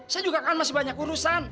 saya juga kan masih banyak urusan